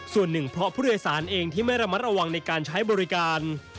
ส่วนหนึ่งเพราะผู้โดยสารเองที่ไม่ระมัดระวังในการใช้บริการ